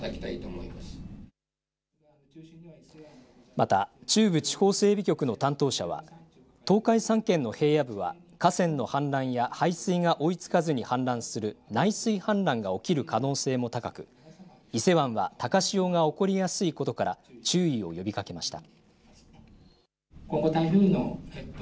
また中部地方整備局の担当者は東海３県の平野部は河川の氾濫や排水が追いつかずに氾濫する内水氾濫が起きる可能性も高く伊勢湾は高潮が起こりやすいことから注意を呼びかけました。